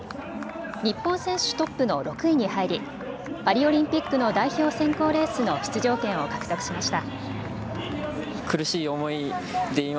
日本選手トップの６位に入り、パリオリンピックの代表選考レースの出場権を獲得しました。